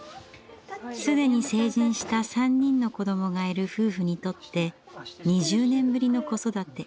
既に成人した３人の子どもがいる夫婦にとって２０年ぶりの子育て。